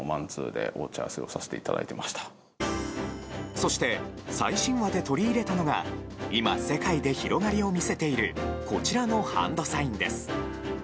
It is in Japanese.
そして最新話で取り入れたのが今、世界で広がりを見せているこちらのハンドサインです。